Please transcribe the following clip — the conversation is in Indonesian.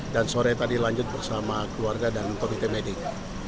dan sore tadi lanjut bersama keluarga dan komite medik